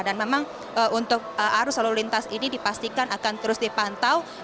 dan memang untuk arus lalu lintas ini dipastikan akan terus dipantau